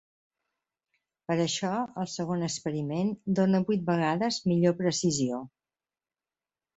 Per això el segon experiment dóna vuit vegades millor precisió.